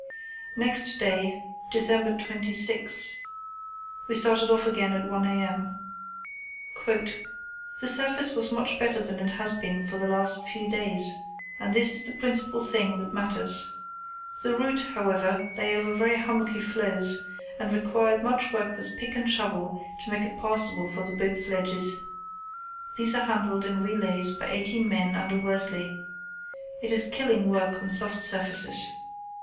Next day, December 26, we started off again at 1 a.m. "The surface was much better than it has been for the last few days, and this is the principal thing that matters. The route, however, lay over very hummocky floes, and required much work with pick and shovel to make it passable for the boat sledges. These are handled in relays by eighteen men under Worsley. It is killing work on soft surfaces."